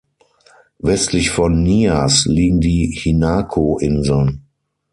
Westlich von Nias liegen die Hinako-Inseln.